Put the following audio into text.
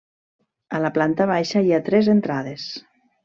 A la planta baixa hi ha tres entrades.